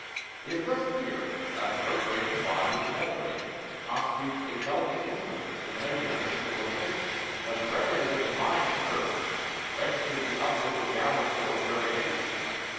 It is thus clear that the birth rate combined with the death rate constitutes a delicate instrument for the measurement of civilization, and that the record of their combined curves registers the upward or downward course of every nation.